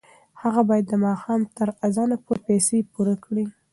هغه باید د ماښام تر اذانه پورې پیسې پوره کړي.